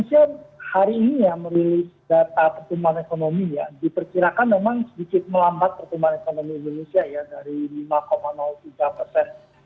ya ekonomi indonesia hari ini ya merilis data pertumbuhan ekonomi ya